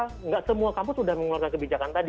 tidak semua kampus sudah mengeluarkan kebijakan tadi